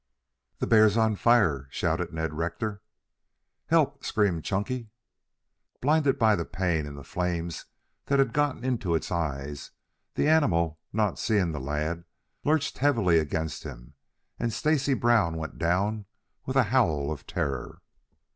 "The bear's on fire!" shouted Ned Rector. "Help!" screamed Chunky. Blinded by the pain and the flames that had gotten into its eyes, the animal not seeing the lad, lurched heavily against him and Stacy Brown went down with a howl of terror.